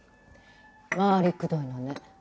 回りくどいのね。